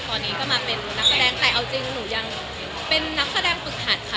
ตอนนี้ก็มาเป็นนักแสดงแต่เอาจริงหนูยังเป็นนักแสดงฝึกหัดค่ะ